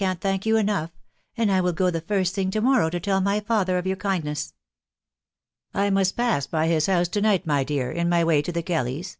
t thank yon enough,; and will go the first* thing to merrow' to *teM my father* of your loudness/* " I must pass by his house to night,, my dear, in* ray way to the Rellys?